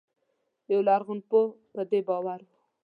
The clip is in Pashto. یو لرغونپوه په دې باور و.